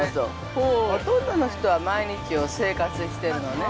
もうほとんどの人は、毎日を生活してるのね。